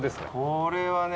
これはね